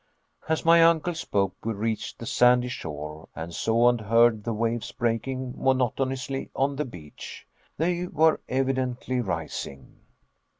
As my uncle spoke, we reached the sandy shore, and saw and heard the waves breaking monotonously on the beach. They were evidently rising.